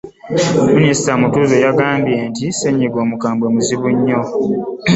Minisita, Mutuuzo yagambye nti ssennyiga omukambwe muzibu nnyo.